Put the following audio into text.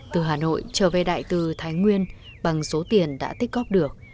từ hà nội trở về đại từ thái nguyên bằng số tiền đã tích góp được